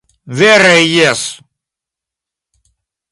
Vere jes!